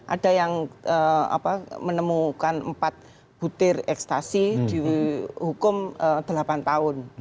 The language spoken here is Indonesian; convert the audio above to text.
ada yang menemukan empat butir ekstasi dihukum delapan tahun